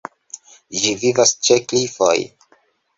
Ĝi vivas ĉe klifoj.